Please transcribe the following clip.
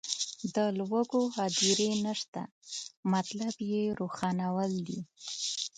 د لوږو هدیرې نشته مطلب یې روښانول دي.